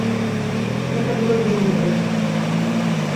Гэта было вельмі брыдка.